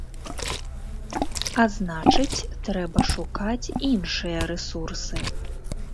А значыць, трэба шукаць іншыя рэсурсы.